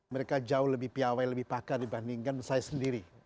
mereka jauh lebih piawai lebih pakar dibandingkan saya sendiri